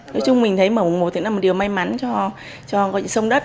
nói chung mình thấy mở mùng một là một điều may mắn cho sông đất